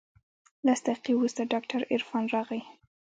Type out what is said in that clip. لس دقيقې وروسته ډاکتر عرفان راغى.